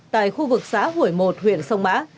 tại khu vực xã hủy một huyện sông mã